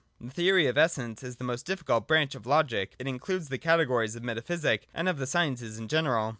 The theory of Essence is the most difficult branch of Logic. It includes the categories of metaphysic and of the sciences in general.